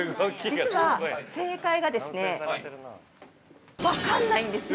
◆実は、正解がですね分かんないんですよ。